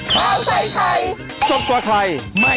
โปรดติดตามตอนต่อไป